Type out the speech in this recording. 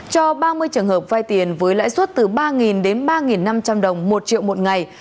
cho ba mươi trường hợp vai tiền với lãi suất từ ba đến ba năm trăm linh đồng một triệu một ngày